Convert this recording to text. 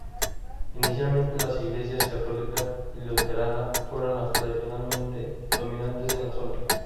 Inicialmente las Iglesias católica y luterana fueron las tradicionalmente dominantes en la zona.